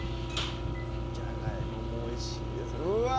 じゃがいももおいしいですうわ！